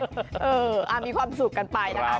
เออมีความสุขกันไปนะคะ